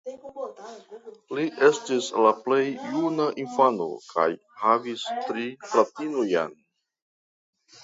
Li estis la plej juna infano kaj havis tri fratinojn.